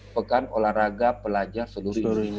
pekan olahraga pelajar seluruh dunia